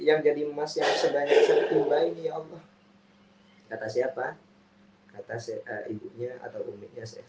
yang jadi emas yang sebanyak sebuah ini allah kata siapa kata seka ibunya atau uminya syekh